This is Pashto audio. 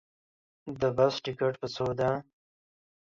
د بس ټکټ په څو ده